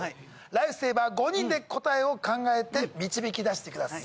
ライフセイバー５人で答えを考えて導き出してください。